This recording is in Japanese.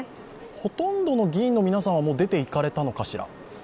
ほとんどの議員の皆さんは、もう出ていかれたのかしら？